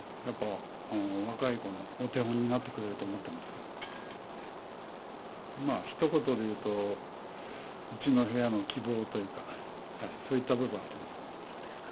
やっぱり若い子のお手本になってくれると思っていますけどまあひと言で言うとうちの部屋の希望というかそういった部分はあります。